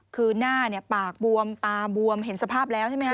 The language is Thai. คือหน้าปากบวมตาบวมเห็นสภาพแล้วใช่ไหมฮ